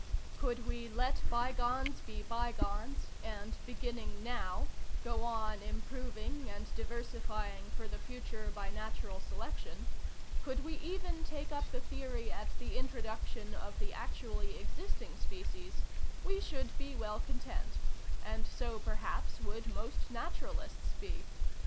"Could we "let by gones be by gones," and, beginning now, go on improving and diversifying for the future by natural selection, ŌĆö could we even take up the theory at the introduction of the actually existing species, we should be well content, and so perhaps would most naturalists be.